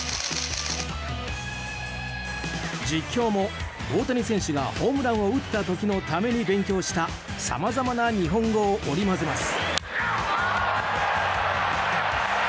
実況も大谷選手がホームランを打った時のために勉強したさまざまな日本語を織り交ぜます。